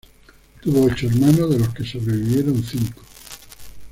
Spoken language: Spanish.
Tuvo ocho hermanos de los que sobrevivieron cinco.